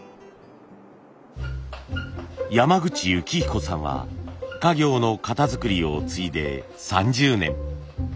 山口幸彦さんは家業の型作りを継いで３０年。